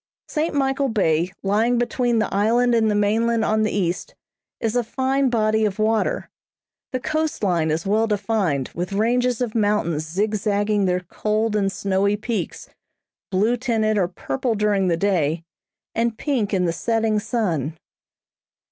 St. Michael Bay, lying between the island and the mainland on the east, is a fine body of water. The coast line is well defined with ranges of mountains zigzagging their cold and snowy peaks, blue tinted or purple during the day, and pink in the setting sun.